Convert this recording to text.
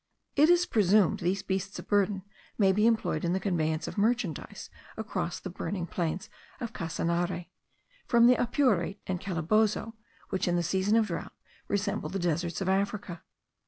It is presumed these beasts of burden may be employed in the conveyance of merchandise across the burning plains of Casanare, from the Apure and Calabozo, which in the season of drought resemble the deserts of Africa.